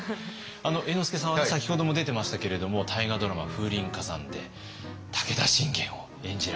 猿之助さんは先ほども出てましたけれども大河ドラマ「風林火山」で武田信玄を演じられて。